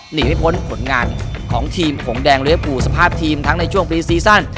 หนีไม่พ้นผลงานของทีมผงแดงเลี้ยภูสภาพทีมทั้งในช่วงปีซีซั่น